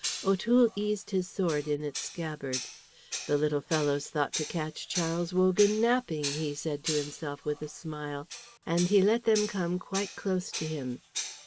O'Toole eased his sword in its scabbard. "The little fellows thought to catch Charles Wogan napping," he said to himself with a smile, and he let them come quite close to him.